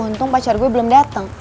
untung pacar gue belum datang